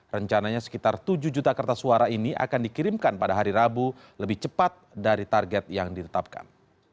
rencananya sekitar tujuh juta kertas suara ini akan dikirimkan pada hari rabu lebih cepat dari target yang ditetapkan